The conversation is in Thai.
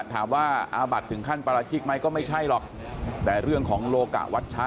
อาบัติถึงขั้นปราชิกไหมก็ไม่ใช่หรอกแต่เรื่องของโลกะวัชชะ